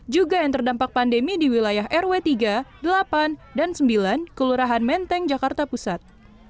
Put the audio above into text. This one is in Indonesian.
juga yang terdampak pandemi di wilayah rw tiga delapan dan sembilan kelurahan menteng jakarta pusat